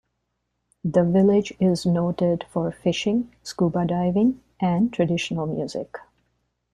The village is noted for fishing, scuba diving, and traditional music.